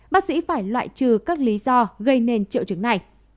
bác sĩ phải loại trừ các lý do gây nên triệu chứng này